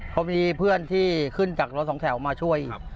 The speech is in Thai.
พอมีเพื่อนที่ขึ้นจากรถสองแถวมาช่วย